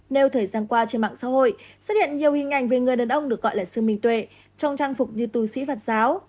nêu thời gian qua trên mạng xã hội xuất hiện nhiều hình ảnh về người đàn ông được gọi là sự minh tuệ trong trang phục như tu sĩ phật giáo